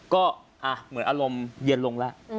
ก็เหมือนอารมณ์เย็นลงแล้ว